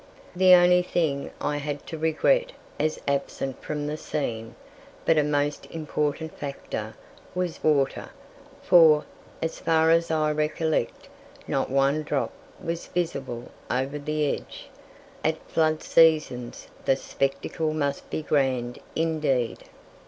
The only thing I had to regret as absent from the scene, but a most important factor, was water, for, as far as I recollect, not one drop was visible over the edge. At flood seasons the spectacle must be grand indeed.